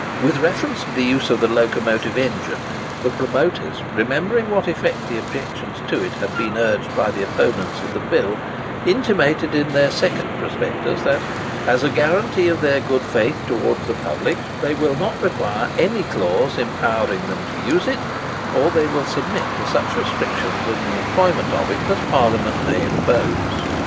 With reference to the use of the locomotive engine, the promoters, remembering with what effect the objections to it had been urged by the opponents of the bill, intimated, in their second prospectus, that "as a guarantee of their good faith towards the public they will not require any clause empowering them to use it; or they will submit to such restrictions in the employment of it as Parliament may impose."